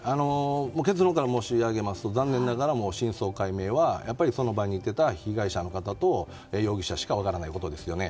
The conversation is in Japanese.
結論から申し上げますと残念ながら真相解明はやっぱり、その場にいてた被害者の方と容疑者しか分からないことですよね。